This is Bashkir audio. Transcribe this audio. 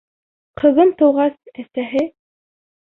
Ҡыҙым тыуғас, әсәһе: